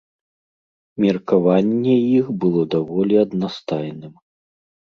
Меркаванне іх было даволі аднастайным.